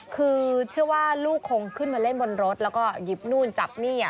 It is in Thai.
คือเชื่อว่าลูกคงขึ้นมาเล่นบนรถแล้วก็หยิบนู่นจับนี่